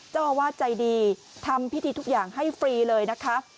เจ้าอาวาสใจดีทำพิธีทุกอย่างให้ฟรีเลยนะคะ